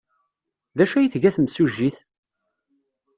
D acu ay tga temsujjit?